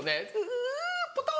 うぅポトン。